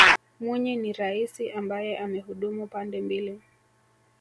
mwinyi ni raisi ambaye amehudumu pande mbili